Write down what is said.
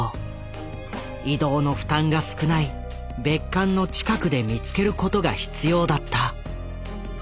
移動の負担が少ない別館の近くで見つけることが必要だった。